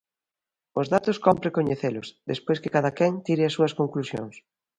Os datos cómpre coñecelos, despois que cada quen tire as súas conclusións.